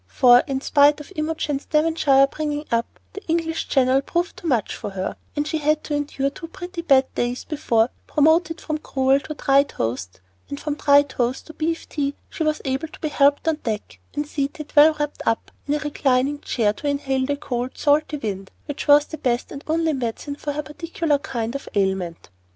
For, in spite of Imogen's Devonshire bringing up, the English Channel proved too much for her, and she had to endure two pretty bad days before, promoted from gruel to dry toast, and from dry toast to beef tea, she was able to be helped on deck, and seated, well wrapped up, in a reclining chair to inhale the cold, salty wind which was the best and only medicine for her particular kind of ailment.